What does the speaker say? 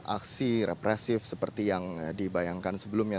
aksi represif seperti yang dibayangkan sebelumnya